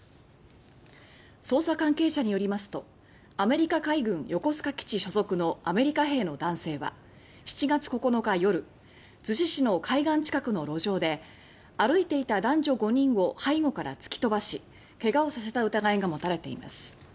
捜査関係者によりますとアメリカ海軍・横須賀基地所属のアメリカ兵の男性は７月９日夜逗子市の海岸近くの路上で歩いていた男女５人を背後から突き飛ばし怪我をさせた疑いが持たれています。